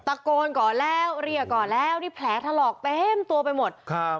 ตะโกนก่อนแล้วเรียกก่อนแล้วนี่แผลถลอกเต็มตัวไปหมดครับ